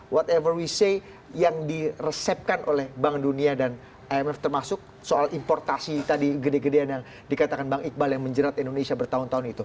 what every say yang diresepkan oleh bank dunia dan imf termasuk soal importasi tadi gede gedean yang dikatakan bang iqbal yang menjerat indonesia bertahun tahun itu